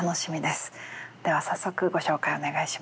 では早速ご紹介をお願いします。